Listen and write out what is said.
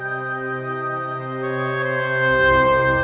terima kasih mezrami